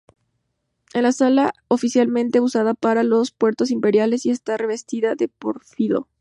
Fue la sala oficialmente usada para los partos imperiales y está revestida de pórfido.